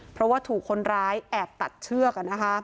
เพราะว่าถูกคนร้ายแอบตัดเชือก